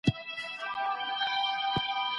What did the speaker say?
تر واده مخکي د ښځي نفقه د هغې پر پلار ده.